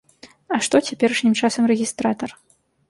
А што цяперашнім часам рэгістратар?